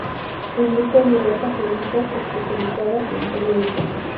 Publica en diversas revistas especializadas y en periódicos.